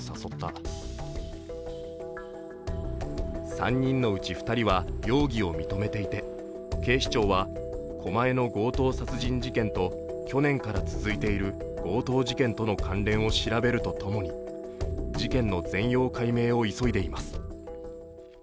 ３人のうち２人は容疑を認めていて警視庁は狛江の強盗殺人事件と去年から続いている強盗事件との関連を調べるとともに事件の全容解明を急いでいます。